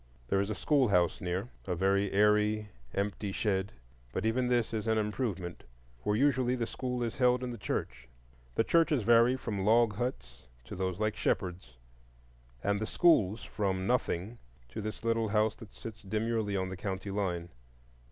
There is a schoolhouse near,—a very airy, empty shed; but even this is an improvement, for usually the school is held in the church. The churches vary from log huts to those like Shepherd's, and the schools from nothing to this little house that sits demurely on the county line.